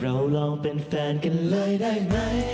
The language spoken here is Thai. เราเป็นแฟนกันเลยได้ไหม